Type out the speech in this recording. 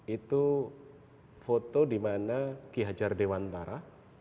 itu foto dimana ki hajar dewantara